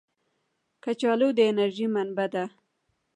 کچالو د انرژۍ منبع ده